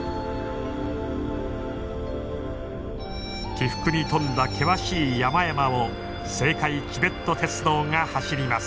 起伏に富んだ険しい山々を青海チベット鉄道が走ります。